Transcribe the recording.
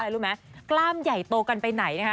รู้ไหมกล้ามใหญ่โตกันไปไหนนะคะ